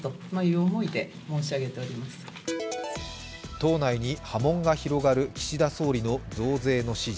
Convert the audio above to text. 党内に波紋が広がる岸田総理の増税の指示。